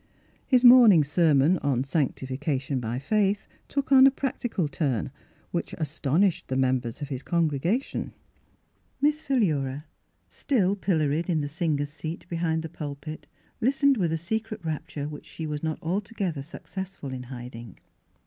His morning sermon on " Sanctification by Faith," took on a practical turn, which astonished the members of his congregation. Miss Philura, still pilloried in the sing ers' seat behind the pulpit, listened with a secret rapture which she was not alto gether successful in hiding.